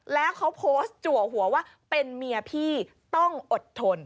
แล้วเขาโพสต์จัวหัวว่าเป็นเมียพี่ต้องอดทน